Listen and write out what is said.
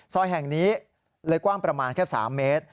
ซอยแห่งนี้เลยกว้างประมาณแค่๓เมตร